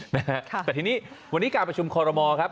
แต่ทีนี้วันนี้การประชุมคอรมอลครับ